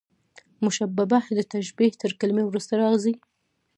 مشبه به، د تشبېه تر کلمې وروسته راځي.